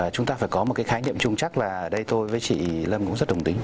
chúng ta phải có một cái khái niệm chung chắc là đây tôi với chị lâm cũng rất đồng tính